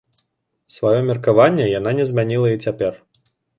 Сваё меркаванне яна не змяніла і цяпер.